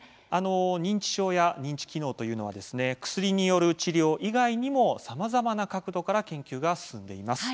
認知症や認知機能というのは薬による治療以外にもさまざまな角度から研究が進んでいます。